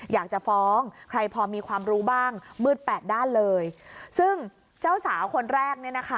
อยากจะฟ้องใครพอมีความรู้บ้างมืดแปดด้านเลยซึ่งเจ้าสาวคนแรกเนี่ยนะคะ